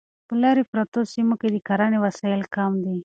په لیرې پرتو سیمو کې د کرنې وسایل کم دي.